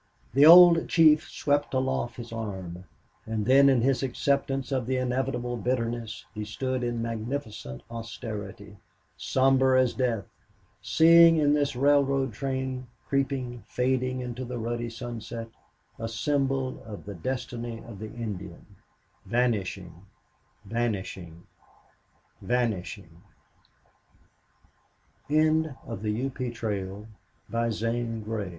The old chief swept aloft his arm, and then in his acceptance of the inevitable bitterness he stood in magnificent austerity, somber as death, seeing in this railroad train creeping, fading into the ruddy sunset, a symbol of the destiny of the Indian vanishing vanishing vanishing End of the Project Gutenberg EBook of The U.P. T